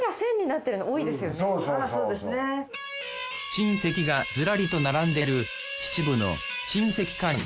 珍石がずらりと並んでる秩父の珍石館。